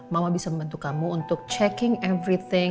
mama bisa membantu kamu untuk checking everything